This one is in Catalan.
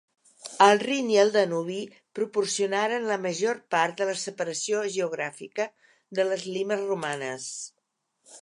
El Rin i el Danubi proporcionaren la major part de la separació geogràfica de les "limes" romanes.